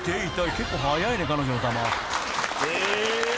結構速いね彼女の球］